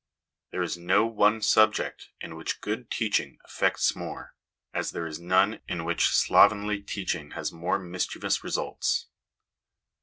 There is no one subject in which good teaching effects more, as there is none in which slovenly teaching has more mischievous results.